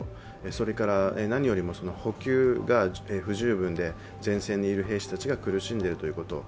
それから何よりも補給が不十分で前線にいる兵士たちが苦しんでいるということ。